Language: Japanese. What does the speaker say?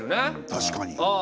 確かに。